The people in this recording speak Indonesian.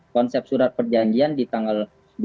konsep surat perjanjian di tanggal